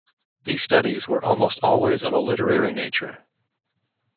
These studies were almost always of a literary nature.